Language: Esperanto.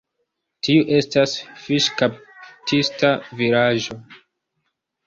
Tiu estas fiŝkaptista vilaĝo.